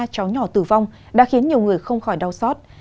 ba cháu nhỏ tử vong đã khiến nhiều người không khỏi đau xót